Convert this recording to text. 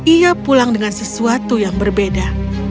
ia pulang dengan sesuatu yang berbeda